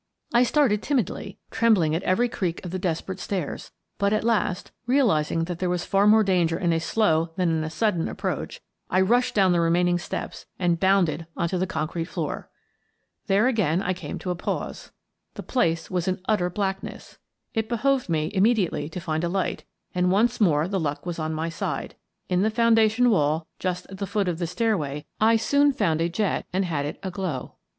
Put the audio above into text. I started timidly, trembling at every creak of the desperate stairs, but at last, realizing that there was far more danger in a slow than in a sudden ap proach, I rushed down the remaining steps and bounded on to the concrete floor. There again I came to pause. The place was in 66 Miss Frances Baird, Detective utter blackness. It behoved me immediately to find a light, and once more the luck was on my side: in the foundation wall, just at the foot of the stair way, I soon found a jet and had it aglow.